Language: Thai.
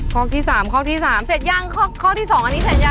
คอกที่๓คอกที่๓เสร็จยังคอกที่๒อันนี้เสร็จยัง